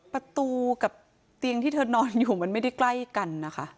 ประตูกับเตียงที่เธอนอนอยู่มันไม่ได้ใกล้กันนะคะ